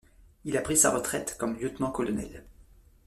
Il a pris sa retraite comme lieutenant-colonel.